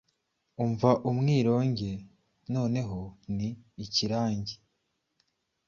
Umva umwironge! Noneho ni ikiragi!